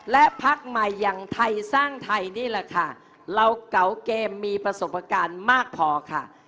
และพักใหม่อย่างไทยสร้างไทยนี่แหละค่ะเราเก๋าเกมมีประสบการณ์มากพอค่ะ